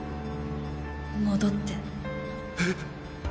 戻ってえ？